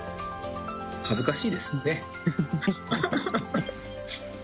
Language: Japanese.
恥ずかしいですよね。